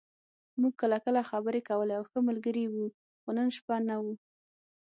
موږ کله کله خبرې کولې او ښه ملګري وو، خو نن شپه نه و.